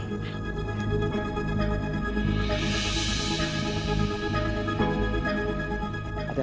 kalo nggak mau aku mau